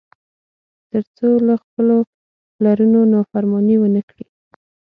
تر څو له خپلو پلرونو نافرماني ونه کړي.